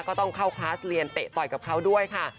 ก็ต้องเข้าคลาสเรียนเตะต่อยกับเขาด้วยค่ะ